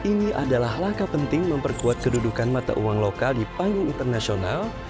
ini adalah langkah penting memperkuat kedudukan mata uang lokal di panggung internasional